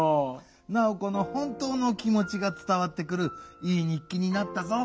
ナオコのほんとうの気もちがつたわってくるいいにっきになったぞ。